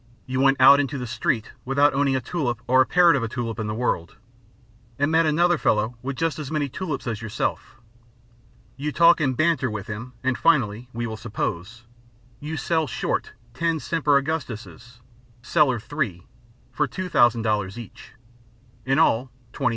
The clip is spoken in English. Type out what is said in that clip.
You went out into "the street" without owning a tulip or a perit of a tulip in the world, and met another fellow with just as many tulips as yourself. You talk and "banter" with him, and finally (we will suppose) you "sell short" ten Semper Augustuses, "seller three," for $2,000 each, in all $20,000.